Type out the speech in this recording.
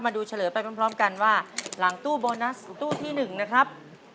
ดูเฉลยไปพร้อมกันว่าหลังตู้โบนัสตู้ที่๑นะครับ